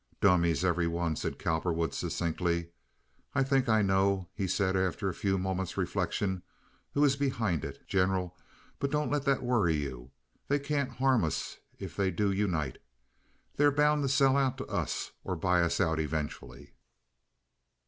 "Dummies, every one," said Cowperwood, succinctly. "I think I know," he said, after a few moments' reflection, "who is behind it, General; but don't let that worry you. They can't harm us if they do unite. They're bound to sell out to us or buy us out eventually."